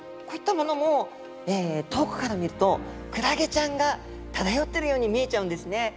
こういったものも遠くから見るとクラゲちゃんが漂ってるように見えちゃうんですね。